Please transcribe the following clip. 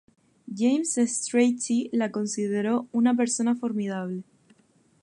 James Strachey la consideró una persona formidable.